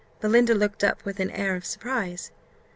Belinda looked up with an air of surprise.